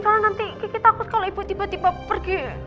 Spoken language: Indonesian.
soalnya nanti kiki takut kalau ibu tiba tiba pergi